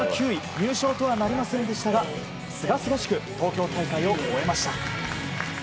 入賞とはなりませんでしたがすがすがしく東京大会を終えました。